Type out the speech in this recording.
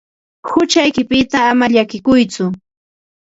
Huchaykipita ama llakikuytsu.